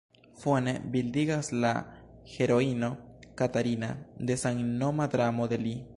Fone bildigas la heroino "Katarina" de samnoma dramo de li.